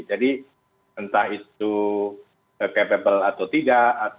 jadi entah itu capable atau tidak